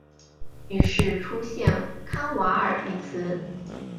于是出现康瓦尔一词。